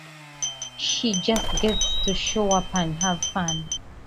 She just gets to show up and have fun.